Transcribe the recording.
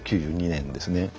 １９９２年ですね。